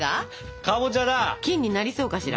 金になりそうかしら？